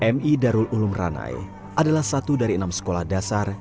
mi darul ulum ranai adalah satu dari enam sekolah dasar